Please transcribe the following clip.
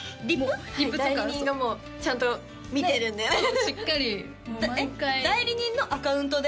リプ？代理人がちゃんと見てるんでしっかり毎回代理人のアカウントで？